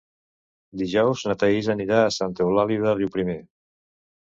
Dijous na Thaís anirà a Santa Eulàlia de Riuprimer.